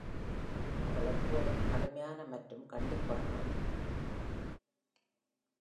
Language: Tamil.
அவள் எப்போதும் கடுமையான மற்றும் கண்டிப்பானவள்.